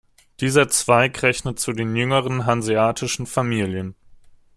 Dieser Zweig rechnet zu den jüngeren hanseatischen Familien.